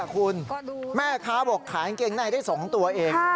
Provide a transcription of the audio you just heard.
คุณแม่ค้าบอกขายกางเกงในได้๒ตัวเอง